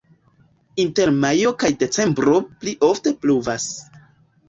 Inter majo kaj decembro pli ofte pluvas.